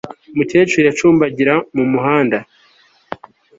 Umukecuru yacumbagira mu muhanda